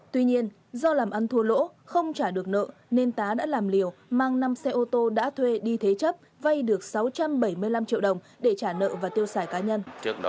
tuy nhiên do làm ăn thua lỗ không trả được nợ nên tá đã làm liều mang năm xe ô tô đã thuê đi thế chấp vay được sáu trăm bảy mươi năm triệu đồng để trả nợ và tiêu xài cá nhân